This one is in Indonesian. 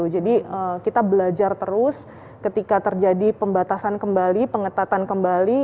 jadi kita belajar terus ketika terjadi pembatasan kembali pengetatan kembali